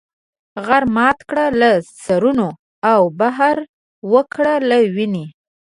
غر مات کړه له سرونو او بحر وکړه له وینې.